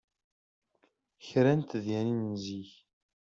Kra n tedyanin n zik.